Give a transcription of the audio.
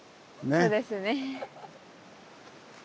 そうですね。